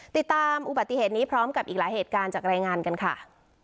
ติดตามอุบัติเหตุนี้พร้อมกับอีกหลายเหตุการณ์จากรายงานกันค่ะ